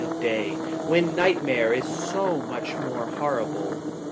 of day, when nightmare is so much more horrible.